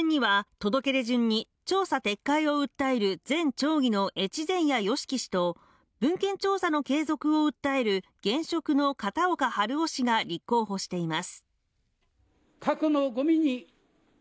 寿都町長選には届け出順に調査撤回を訴える前町議の越前谷由樹氏と文献調査の継続を訴える現職の片岡春雄氏が立候補しています